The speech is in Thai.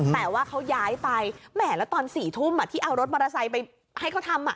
แต่ว่าเขาย้ายไปแหมแล้วตอน๔ทุ่มที่เอารถมอเตอร์ไซค์ไปให้เขาทำ